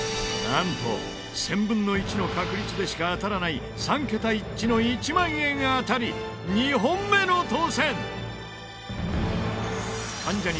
なんと１０００分の１の確率でしか当たらない３桁一致の１万円当たり２本目の当せん。